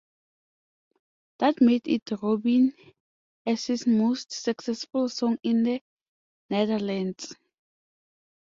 That made it Robin S.'s most successful song in the Netherlands.